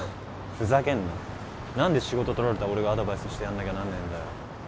ふざけんな何で仕事取られた俺がアドバイスしてやんなきゃなんねえんだよ